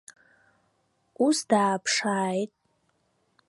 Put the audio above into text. Ус дааԥшааит.